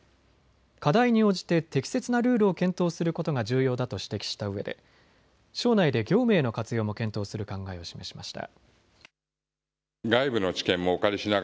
課題に応じて適切なルールを検討することが重要だと指摘したうえで省内で業務への活用も検討する考えを示しました。